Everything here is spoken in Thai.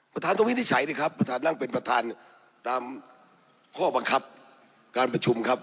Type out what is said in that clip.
ต้องวินิจฉัยสิครับประธานนั่งเป็นประธานตามข้อบังคับการประชุมครับ